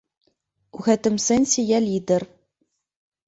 У гэтым сэнсе я лідар.